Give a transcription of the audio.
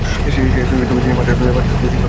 সেইসাথে, তিনি পাঠশালায় শিক্ষকতা করছেন।